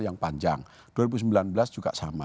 yang panjang dua ribu sembilan belas juga sama